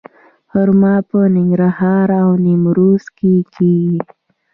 خرما په ننګرهار او نیمروز کې کیږي.